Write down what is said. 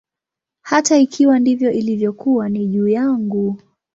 Hata ikiwa ndivyo ilivyokuwa, ni juu yangu.